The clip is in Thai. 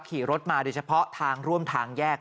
ขี่รถมาโดยเฉพาะทางร่วมทางแยก